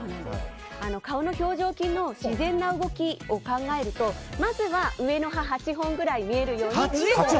顔の表情筋の自然な動きを考えるとまずは上の歯８本ぐらい見えるように。